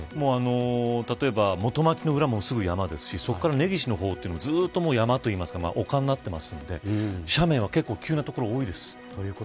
例えば元町の裏もすぐ山ですしそこから根岸の方もずっと山というか丘になってるので斜面はけっこう急な所が多いです。